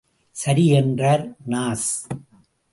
சரி என்றார் நாஸ்.